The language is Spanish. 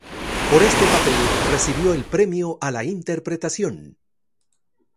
Por este papel, recibió el Premio a la Interpretación.